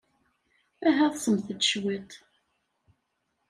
Aha, ḍsemt-d cwiṭ.